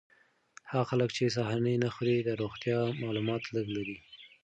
هغه خلک چې سهارنۍ نه خوري د روغتیا مالومات لږ لري.